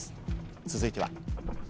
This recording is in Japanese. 続いては。